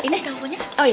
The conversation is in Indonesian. pergi pergi pergi